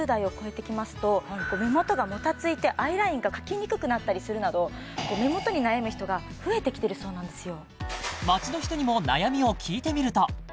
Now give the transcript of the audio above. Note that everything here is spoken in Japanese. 目元がもたついてアイラインが描きにくくなったりするなど目元に悩む人が増えてきてるそうなんですよ